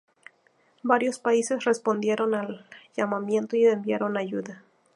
Varios países respondieron al llamamiento y enviaron ayuda.